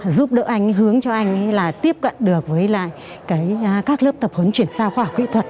giúp đỡ anh hướng cho anh tiếp cận được với các lớp tập huấn chuyển sao khoa học kỹ thuật